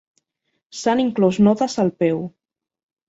S'han inclòs notes al peu.